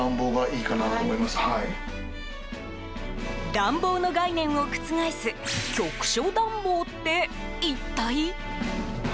暖房の概念を覆す局所暖房って、一体？